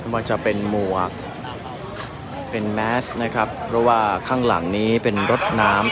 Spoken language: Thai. ว่าจะเป็นหมวกเป็นแมสนะครับเพราะว่าข้างหลังนี้เป็นรถน้ำ